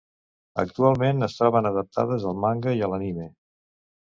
Actualment, es troben adaptades al manga i a l'anime.